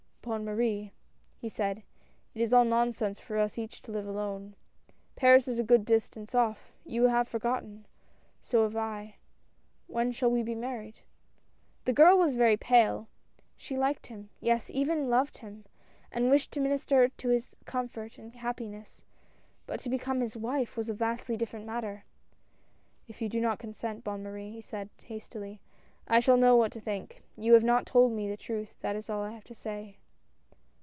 " Bonne Marie," he said, "it is all nonsense for us each to live alone. Paris is a good distance off — you have forgotten, so have I — when shall we be married?" The girl was very pale — she liked him, yes she even loved him, and wished to minister to his comfort and happiness — but to become his wife, was a vastly dif ferent matter. "If you do not consent. Bonne Marie," he said hastily, " I shall know what to think. You have not told me the truth, that is all I have to say."